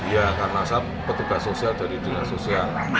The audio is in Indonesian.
ya karena saat petugas sosial jadi tiga sosial